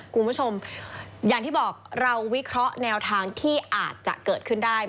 คุณผู้ชมอย่างที่บอกเราวิเคราะห์แนวทางที่อาจจะเกิดขึ้นได้